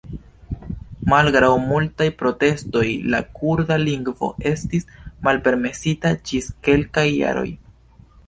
Malgraŭ multaj protestoj la kurda lingvo estis malpermesita ĝis kelkaj jaroj.